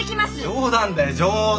冗談だよ冗談。